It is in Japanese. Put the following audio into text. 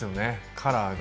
カラーが。